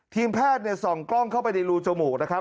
ทีมแพทย์ส่องกล้องเข้าไปในรูจมูกนะครับ